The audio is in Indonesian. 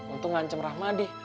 untuk ngancem rahmadi